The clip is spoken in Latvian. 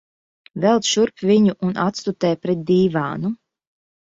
Velc šurp viņu un atstutē pret dīvānu.